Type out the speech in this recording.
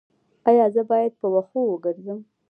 ایا زه باید په وښو وګرځم؟